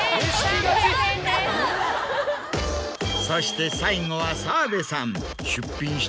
そして最後。